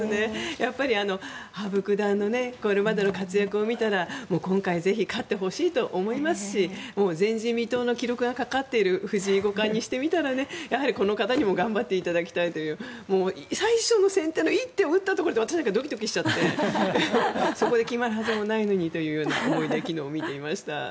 やっぱり羽生九段のこれまでの活躍を見たら今回ぜひ勝ってほしいと思いますし前人未到の記録がかかっている藤井五冠にしてみたらやはり、この方にも頑張っていただきたいという最初の先手の一手を打ったところで私なんかドキドキしちゃってそこで決まるはずもないのにという思いで昨日は見ていました。